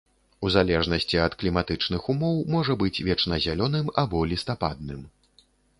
У залежнасці ад кліматычных умоў можа быць вечназялёным або лістападным.